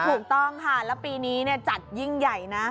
ถูกต้องค่ะแล้วปีนี้จัดยิ่งใหญ่นะ